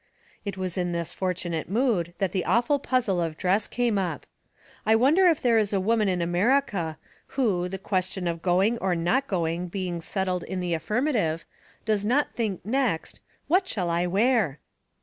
It was in this fortunate mood that the awful puzzle of dress came up. 1 wonder if there is a woman in America, who, the question of going or not going being settled in the affirmative, does not think next, What shall I wear?